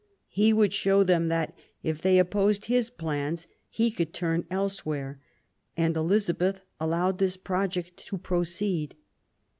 He would show them that, if they opposed his plans, he could turn elsewhere ; and Elizabeth allowed his project to pro ceed.